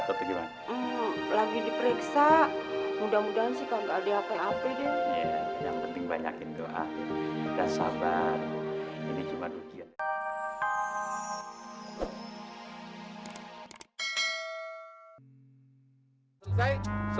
kok kayak cemberut gitu mukanya